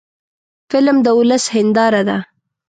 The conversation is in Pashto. فلم د ولس هنداره ده